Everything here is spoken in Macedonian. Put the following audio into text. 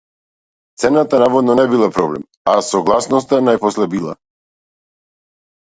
Цената наводно не била проблем, а согласноста најпосле била.